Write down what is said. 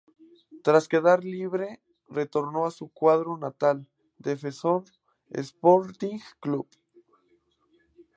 Tras quedar libre retornó a su cuadro natal, Defensor Sporting Club.